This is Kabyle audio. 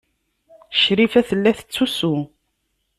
Crifa tella tettusu.